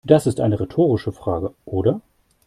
Das ist eine rhetorische Frage, oder?